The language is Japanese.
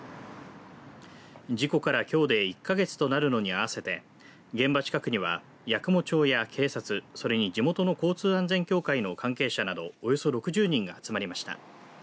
事故からきょうで１か月となるのに合わせて現場近くには八雲町や警察それに地元の交通安全協会の関係者などおよそ６０人が集まりました。